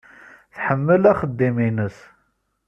Tḥemmel axeddim-nnes.